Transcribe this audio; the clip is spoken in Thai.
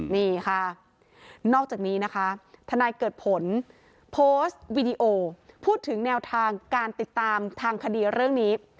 นี่ค่ะนอกจากนี้นะคะทนายเกิดผลโพสต์วีดีโอพูดถึงแนวทางการติดตามทางคดีเรื่องนี้